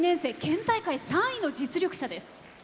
県大会３位の実力者です。